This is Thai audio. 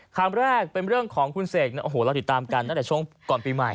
คำแรกเป็นเรื่องของคุณเสกโอ้โหเราติดตามกันตั้งแต่ช่วงก่อนปีใหม่